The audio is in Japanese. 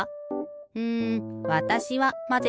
うんわたしはまぜてほしいな。